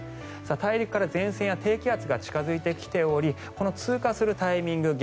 大陸から前線や低気圧が近付いてきておりこの通過するタイミング